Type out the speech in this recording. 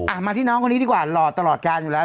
มาที่น้องคนนี้ดีกว่าหล่อตลอดการอยู่แล้ว